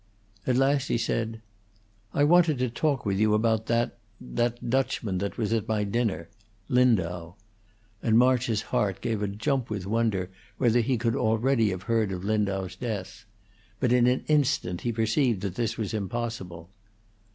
At last he said, "I wanted to talk with you about that that Dutchman that was at my dinner Lindau," and March's heart gave a jump with wonder whether he could already have heard of Lindau's death; but in an instant he perceived that this was impossible.